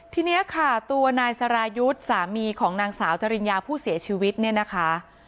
ทีนี้ค่ะตัวนายสรายุทธ์สามีของนางสาวจริญญาผู้เสียชีวิตเนี่ยนะคะ